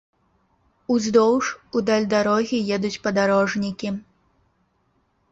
Уздоўж, у даль дарогі едуць падарожнікі.